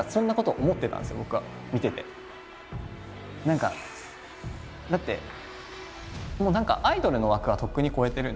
何かだってもう何かアイドルの枠はとっくに超えてるので。